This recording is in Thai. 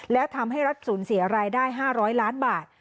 และทำให้รัฐศูนย์เสียรายได้๕๐๐ล้านบาท